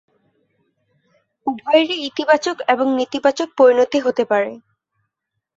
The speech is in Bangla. উভয়েরই ইতিবাচক এবং নেতিবাচক পরিণতি হতে পারে।